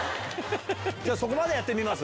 そこまでやってみます？